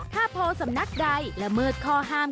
ถ้าโพลสำนักใดและมืดคอหาม